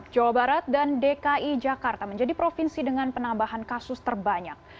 jawa barat dan dki jakarta menjadi provinsi dengan penambahan kasus terbanyak